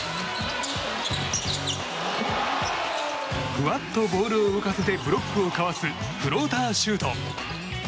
ふわっとボールを浮かせてブロックをかわすフローターシュート！